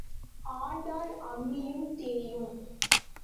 ஆண்டால் அம்மியும் தேயும்.